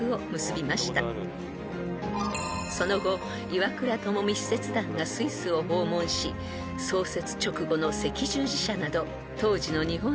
［その後岩倉具視使節団がスイスを訪問し創設直後の赤十字社など当時の日本にはない文化を視察］